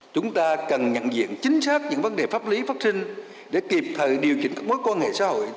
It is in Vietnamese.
chúng ta cần nhận diện chính xác những vấn đề pháp lý phát sinh để kịp thời điều chỉnh các mối quan hệ xã hội